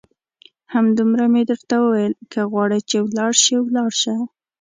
همدومره مې درته وویل، که غواړې چې ولاړ شې ولاړ شه.